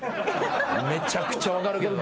めちゃくちゃ分かるけどな。